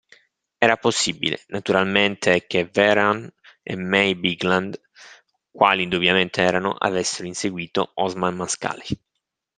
Era possibile, naturalmente, che Vehrehan e May Bigland, quali indubbiamente erano, avessero inseguito Osman Mascali.